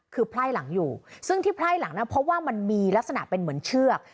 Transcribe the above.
คือไพ่หลังอยู่ซึ่งที่ไพ่หลังนะเพราะว่ามันมีลักษณะเป็นเหมือนเชือก